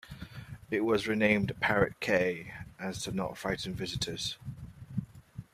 It was renamed Parrot Cay as to not frighten visitors.